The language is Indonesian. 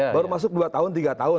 baru masuk dua tahun tiga tahun